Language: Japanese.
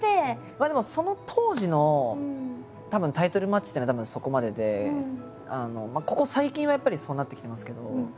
でもその当時のタイトルマッチっていうのはたぶんそこまででここ最近はやっぱりそうなってきてますけど。